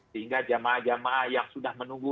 sehingga jamaah jamaah yang sudah menunggu